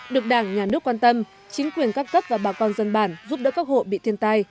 được đảng nhà nước quan tâm chính quyền các cấp và bà con dân bản giúp đỡ các hộ bị thiên tai